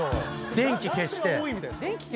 「電気消して」？